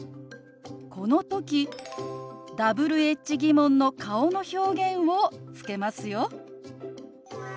この時Ｗｈ−疑問の顔の表現をつけますよ。